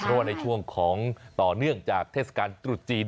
เพราะว่าในช่วงของต่อเนื่องจากเทศกาลตรุษจีน